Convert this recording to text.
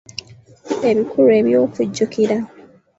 Ebikulu eby’okujjukira